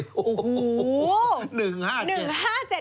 โอ้โห